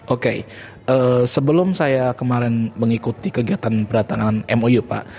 oke sebelum saya kemarin mengikuti kegiatan beratangan mou pak